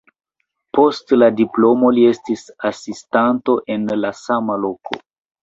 Post la diplomo li estis asistanto en la sama loko.